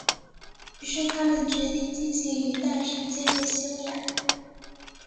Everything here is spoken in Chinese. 于是他们决定进行一段时间的休养。